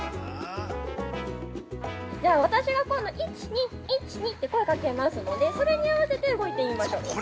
◆私が今度、１、２、１、２と声かけますので、それに合わせて動いてみましょう。